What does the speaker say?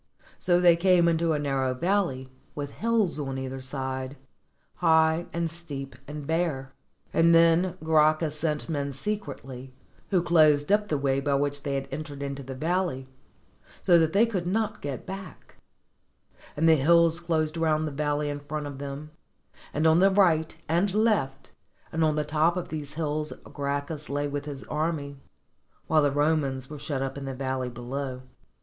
So they came into a narrow valley, with hills on either side, high and steep and bare ; and then Gracchus 307 ROME sent men secretly, who closed up the way by which they had entered into the valley, so that they could not get back; and the hills closed round the valley in front of them, and on the right and left, and on the top of these hills Gracchus lay with his army, while the Romans were shut up in the valley below.